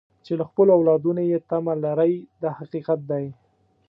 چې له خپلو اولادونو یې تمه لرئ دا حقیقت دی.